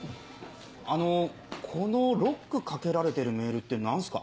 あのこのロックかけられてるメールって何すか？